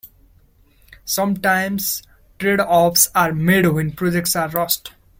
Sometimes trade-offs are made when projects are rushed.